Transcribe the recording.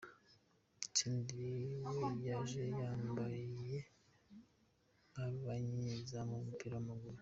Senderi we yaje yambaye nk'abanyezamu b'umupira w'amaguru.